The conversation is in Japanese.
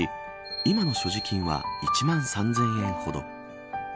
今の所持金は１万３０００円ほど。